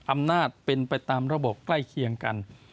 อำนาจเป็นไปตามระบบใกล้เคียงกัน